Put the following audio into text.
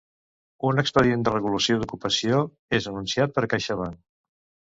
Un Expedient de Regulació d'Ocupació és anunciat per CaixaBank.